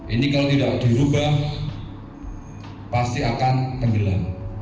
ini kalau tidak dirubah pasti akan tenggelam